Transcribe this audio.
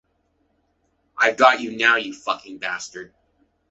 I’ve got you now, you fucking bastard.